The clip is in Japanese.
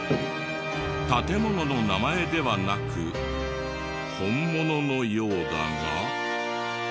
建物の名前ではなく本物のようだが。